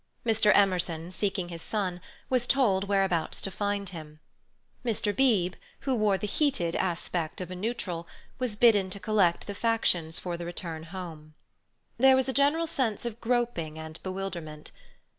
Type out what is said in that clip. Mr. Emerson, seeking his son, was told whereabouts to find him. Mr. Beebe, who wore the heated aspect of a neutral, was bidden to collect the factions for the return home. There was a general sense of groping and bewilderment.